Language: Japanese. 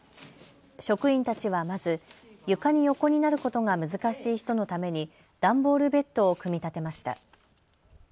職員たちはまず床に横になることが難しい人のために段ボールベッドを組み立てました。